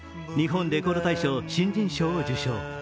「日本レコード大賞」新人賞を受賞。